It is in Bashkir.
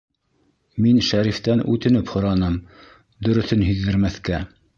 Мин Шәрифтән үтенеп һораным, дөрөҫөн һиҙҙермәҫкә.